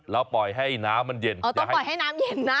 แล้วปล่อยให้น้ำมันเย็นต้องปล่อยให้น้ำเย็นนะ